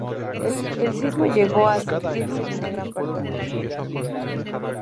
El sismo llegó a sentirse en gran parte del Perú.